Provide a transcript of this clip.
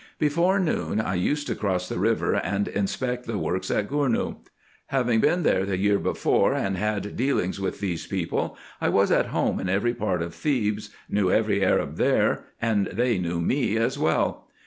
Before noon I used to cross the river and inspect the works at Gournou. Having been there the year before, and had deal ings with these people, I was at home in every part of Thebes, knew every Arab there, and they knew me as well.